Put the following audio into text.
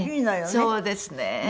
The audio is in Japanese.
そうですね。